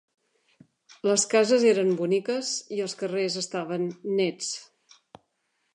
Les cases eren boniques i els carrers estaven néts.